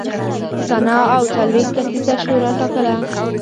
سنا او څلوېښت کسیزه شورا ټاکله